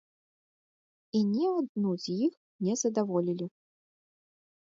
І ні адну з іх не задаволілі.